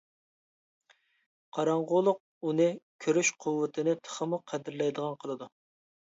قاراڭغۇلۇق ئۇنى كۆرۈش قۇۋۋىتىنى تېخىمۇ قەدىرلەيدىغان قىلىدۇ.